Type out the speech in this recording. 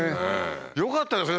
よかったですね